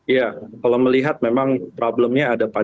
ya kalau melihat memang problemnya ada pak